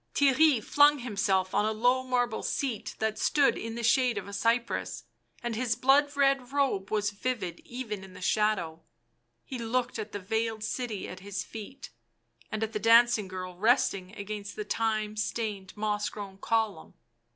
Theirry flung himself on a low marble seat that stood in the shade of a cypress, and his blood red robe was vivid even in the shadow ; he looked at the veiled city at his feet, and at the dancing girl resting against the time stained moss grown column.